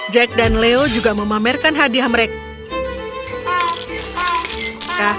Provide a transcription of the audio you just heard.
jack dan leo juga memamerkan hadiah mereka